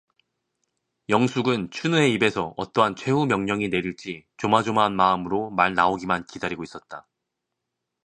영숙은 춘우의 입에서 어떠한 최후 명령이 내릴지 조마조마한 마음으로 말 나오기만 기다리고 있었다.